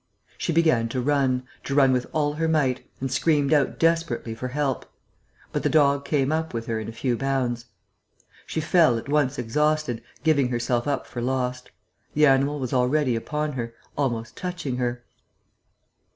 She began to run, to run with all her might, and screamed out desperately for help. But the dog came up with her in a few bounds. She fell, at once exhausted, giving herself up for lost. The animal was already upon her, almost touching her.